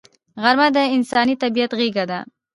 غرمه د انساني طبیعت غېږه ده